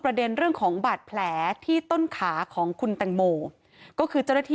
ประเด็นเรื่องของบาดแผลที่ต้นขาของคุณตังโมก็คือเจ้าละที่